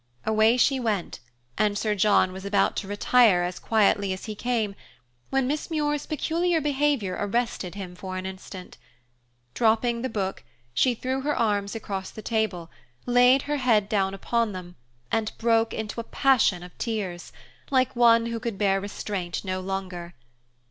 Away she went, and Sir John was about to retire as quietly as he came, when Miss Muir's peculiar behavior arrested him for an instant. Dropping the book, she threw her arms across the table, laid her head down upon them, and broke into a passion of tears, like one who could bear restraint no longer.